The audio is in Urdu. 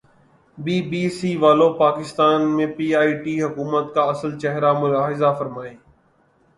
بی بی سی والو پاکستان میں پی ٹی آئی حکومت کا اصل چہرا ملاحظہ فرمائیں